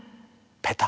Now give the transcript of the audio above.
ペタ。